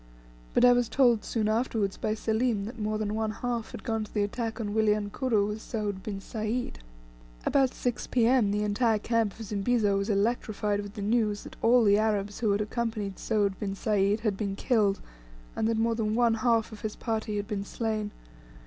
But I was told soon afterwards by Selim that more than one half had gone to the attack on Wilyankuru with Soud bin Sayd. About 6 P.M. the entire camp of Zimbizo was electrified with the news that all the Arabs who had accompanied Soud bin Sayd had been killed; and that more than one half of his party had been slain.